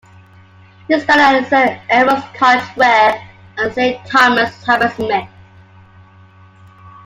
He studied at Saint Edmund's College, Ware, and Saint Thomas's, Hammersmith.